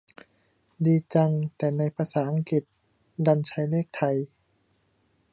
ดีจัง แต่ในภาษาอังกฤษดันใช้เลขไทย